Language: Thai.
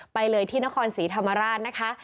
ไปเลยที่นครศรีธรรมราชนะคะ